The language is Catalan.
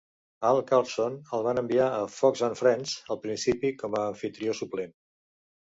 Al Carlson el van enviar a "Fox and Friends" al principi com a amfitrió suplent.